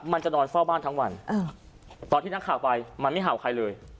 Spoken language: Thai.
มันจะนอนเฝ้าบ้านทั้งวันตอนที่นักข่าวไปมันไม่เห่าใครเลย